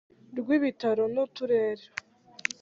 Rw ibitaro n uturere